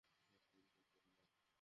ভাই, এমন করবেন না।